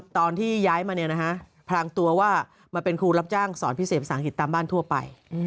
ตอนที่ย้ายมาพรางตัวว่ามาเป็นครูรับจ้างสอนพิเศษภาษาอังกฤษตามบ้านทั่วไป